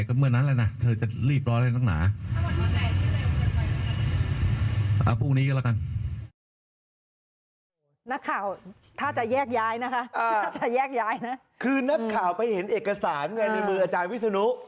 คือนักข่าวไปเห็นเอกสารในมืออาจารย์วิศนุ